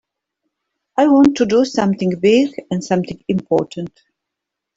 I want to do something big and something important.